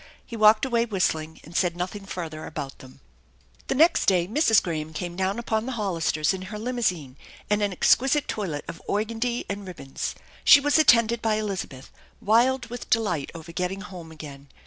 He walked away whistling and said nothing further about them. The next day Mrs. Graham came down upon the Hollisters in her limousine, and an exquisite toilet of organdie and ribbons. She was attended by Elizabeth, wild with delight over getting home again.